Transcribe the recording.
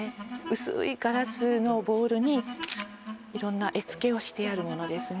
薄いガラスのボールに色んな絵付けをしてあるものですね